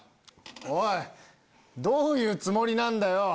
おいどういうつもりなんだよ！